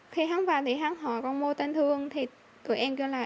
khi hắn vào thì hắn hỏi con mô tân thương thì tụi em kêu là